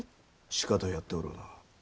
しかとやっておろうな。